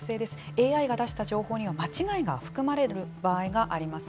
ＡＩが出した情報には間違いが含まれる場合があります。